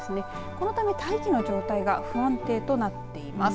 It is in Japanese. このため大気の状態が不安定となっています。